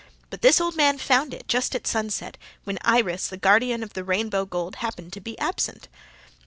But this old man found it, just at sunset, when Iris, the guardian of the rainbow gold, happened to be absent.